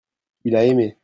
il a aimé.